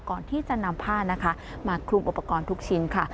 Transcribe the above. ก่อนที่จะนำผ้านะคะมาคลุมอุปกรณ์ทุกชิ้นค่ะ